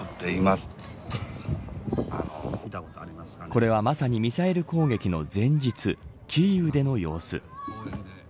これは、まさにミサイル攻撃の前日キーウでの様子。